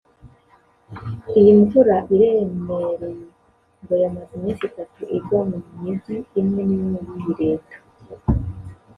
Iyi mvura iremereye ngo yamaze iminsi itatu igwa mu Mijyi imwe n’imwe y’iyi Leta